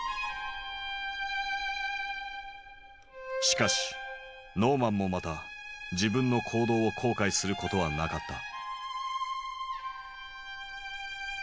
しかしノーマンもまた自分の行動を後悔することはなかった。